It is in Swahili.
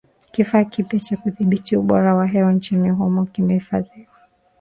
Kifaa kipya cha kudhibiti ubora wa hewa nchini humo kimefadhiliwa